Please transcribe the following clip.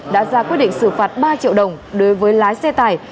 đã ra quyết định xử phạt ba triệu đồng đối với lái xe tải